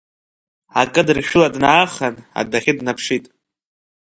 Акыдыршәыла даахан, адәахьы днаԥшит.